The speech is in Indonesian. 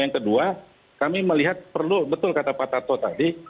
yang kedua kami melihat perlu betul kata pak tarto tadi